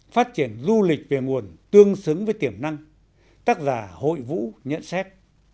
phát triển du lịch về nguồn tương xứng với tiềm năng tác giả hội vũ nhận xét